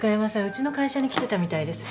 うちの会社に来てたみたいです。